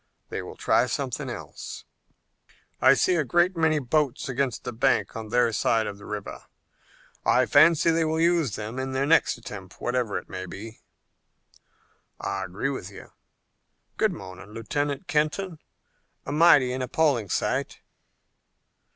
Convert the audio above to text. They will try something else." "I see a great many boats against the bank on their side of the river. I fancy they will use them in their next attempt, whatever it may be." "I agree with you. Good morning, Lieutenant Kenton. A mighty and appalling sight."